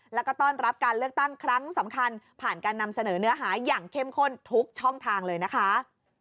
แล้วก็ต้อนรับการเลือกตั้งครั้งสำคัญผ่านการนำเสนอเนื้อหาอย่างเข้มข้นทุกช่องทางเลยนะคะ